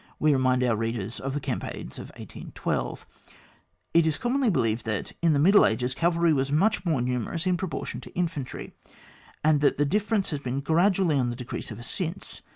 We remind our readers of the campaign of 1812. It is commonly believed that, in the middle ages, cavedry was much more nu merous in proportion to infantry, and that the difi'erence has been gradually on the decrease ever since.